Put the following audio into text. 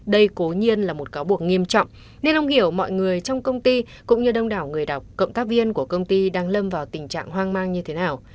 đây cố nhiên là một cáo buộc nghiêm trọng nên ông hiểu mọi người trong công ty cũng như đông đảo người đọc cộng tác viên của công ty đang lâm vào tình trạng hoang mang như thế nào